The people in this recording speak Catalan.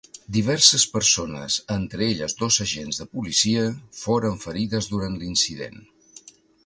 Diverses persones, entre elles dos agents de policia, foren ferides durant l'incident.